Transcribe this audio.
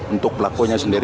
untuk pelakunya sendiri